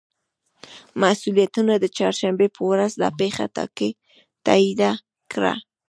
مسئولینو د چهارشنبې په ورځ دا پېښه تائید کړه